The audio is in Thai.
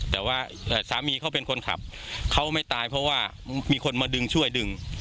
แต่ว่าสามีเขาเป็นคนขับเขาไม่ตายเพราะว่ามีคนมาดึงช่วยดึง